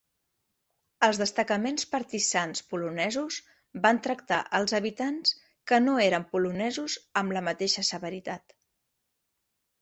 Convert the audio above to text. Els destacaments partisans polonesos van tractar els habitants que no eren polonesos amb la mateixa severitat.